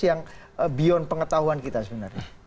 yang beyond pengetahuan kita sebenarnya